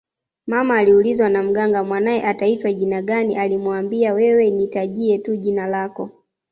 Mama aliulizwa na Mganga mwanae ataitwa jina gani alimuambia wewe nitajie tu jina lako